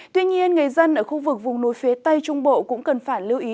tuy nhiên người dân ở khu vực vùng núi phía tây trung bộ cũng cần phải lưu ý